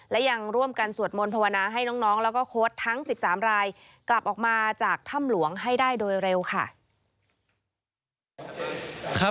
และยังร่วมกันสวดมนต์ภาวนาให้น้องแล้วก็โค้ดทั้ง๑๓รายกลับออกมาจากถ้ำหลวงให้ได้โดยเร็วค่ะ